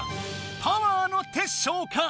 パワーのテッショウか？